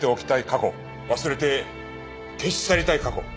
過去忘れて消し去りたい過去。